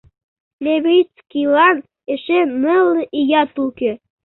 Левицкийлан эше нылле ият уке.